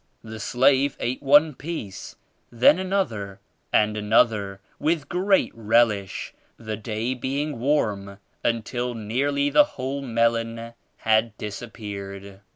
The slave ate one piece, then another and another with great relish (the day being warm) until nearly the whole melon had disappeared.